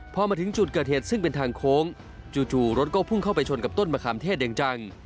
พอมาถึงจุดเกิดเหตุซึ่งเป็นทางโค้งจู่รถก็พุ่งเข้าไปชนกับต้นมะขามเทศอย่างจัง